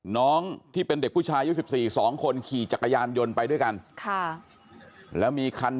น้องที่เป็นเด็กผู้ชายยึดสิบสี่สองคนขี่จักรยานยนต์ไปด้วยกัน